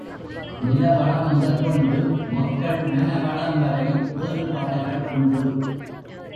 நிலவளம் முதற்கொண்டு மக்கள் மனவளம் வரை வேறுபாடுகள் உண்டு.